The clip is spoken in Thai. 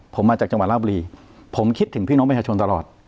ผมมาจากจังหวัดลาบุรีผมคิดถึงพี่น้องประชาชนตลอด